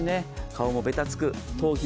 顔もべたつく。